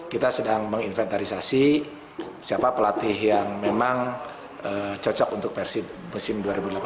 kita sedang menginventarisasi siapa pelatih yang memang cocok untuk persib musim dua ribu delapan belas